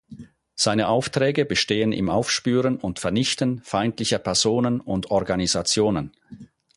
Seine Aufträge bestehen im Aufspüren und Vernichten feindlicher Personen und Organisationen.